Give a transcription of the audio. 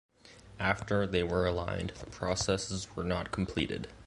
After they were aligned, the processes were not completed.